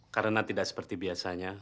karena tidak seperti biasanya